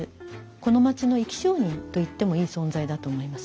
この町の生き証人と言ってもいい存在だと思います。